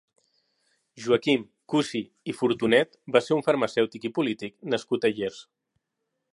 Joaquim Cusí i Furtunet va ser un farmacèutic i polític nascut a Llers.